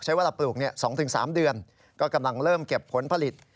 ใช้เวลาปลูก๒๓เดือนก็กำลังเริ่มเก็บผลผลิต